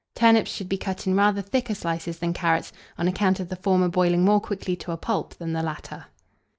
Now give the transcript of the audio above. Turnips should be cut in rather thicker slices than carrots, on account of the former boiling more quickly to a pulp than the latter.